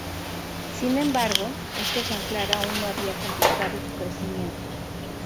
Sin embargo, este ejemplar aún no había completado su crecimiento.